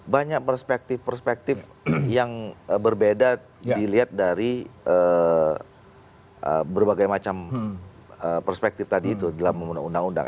banyak perspektif perspektif yang berbeda dilihat dari berbagai macam perspektif tadi itu dalam menggunakan undang undang